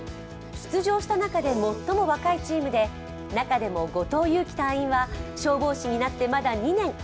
出場した中で最も若いチームで中でも後藤悠希隊員は消防士になってまだ２年。